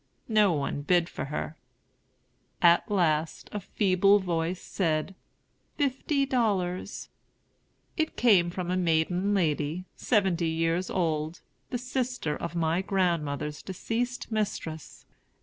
No one bid for her. At last a feeble voice said, "Fifty dollars." It came from a maiden lady, seventy years old, the sister of my grandmother's deceased mistress.